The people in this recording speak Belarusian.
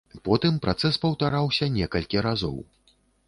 Потым працэс паўтараўся некалькі разоў.